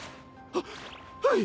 ははい。